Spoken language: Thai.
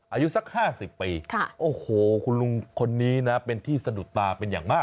อายุสัก๕๐ปีโอ้โหคุณลุงคนนี้นะเป็นที่สะดุดตาเป็นอย่างมาก